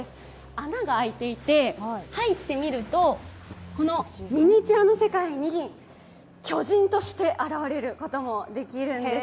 穴が開いていて、入ってみるとこのミニチュアの世界に巨人として現れることもできるんです。